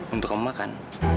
untuk kamu makan